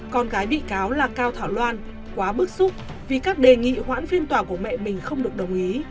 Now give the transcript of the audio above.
con gái bị cáo là cao thảo loan quá bức xúc vì các đề nghị hoãn phiên tòa của mẹ mình không được đồng ý